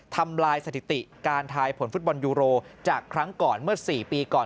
ทำลายสถิติการทายผลฟุตบอลยูโรจากครั้งก่อนเมื่อ๔ปีก่อน